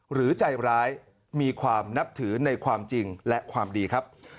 ใจร้ายมีความนับถือในความจริงและความดีครับ